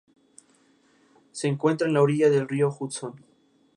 Su nombre de advocación era "Santa Teresa de Jesús".